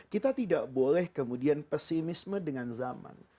kita tidak boleh kemudian pesimisme dengan zaman